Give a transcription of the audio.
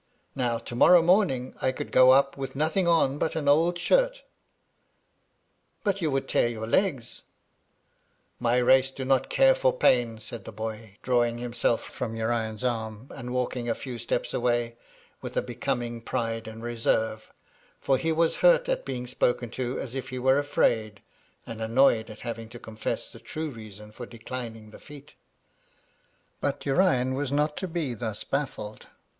Now, to morrow morning I could go up with nothing on but an old shirt' ^* But you would tear your legs ?' "*My race do not care for pain,' said the boy, drawing himself from Urian's arm, and walking a few steps away, with a becoming pride and reserve ; for he was hurt at being spoken to as if he were afraid, and annoyed at having to confess the true reason for declining the feat But Urian was not to be thus baflSed.